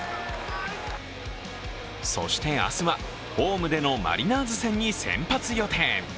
そして、明日はホームでのマリナーズ戦に先発予定。